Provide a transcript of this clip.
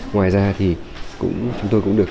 ngoài ra thì chúng tôi cũng được